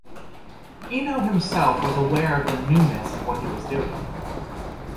Eno himself was aware of the newness of what he was doing.